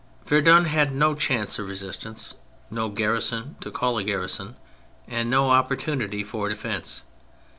Verdun had no chance of resistance, no garrison to call a garrison, and no opportunity for defence.